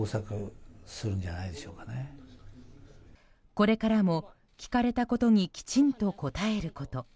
これからも聞かれたことにきちんと答えること。